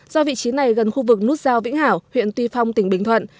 do vị trí này gần khu vực nút giao vĩnh hảo huyện tuy phong tỉnh bình thuận